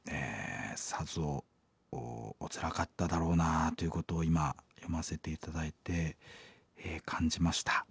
さぞおつらかっただろうなということを今読ませて頂いて感じました。